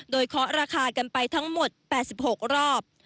โดยเคาะราคากันไปทั้งหมด๘๖รอบ